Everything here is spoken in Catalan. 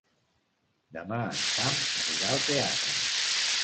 Demà en Sam anirà al teatre.